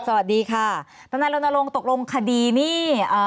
สวัสดีค่ะท่านท่านโรนโลงตกลงคดีนี่